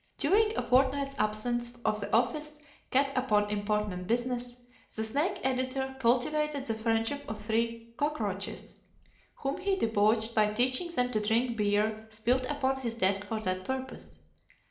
During a fortnight's absence of the office cat upon important business, the Snake Editor cultivated the friendship of three cockroaches, whom he debauched by teaching them to drink beer spilled upon his desk for that purpose.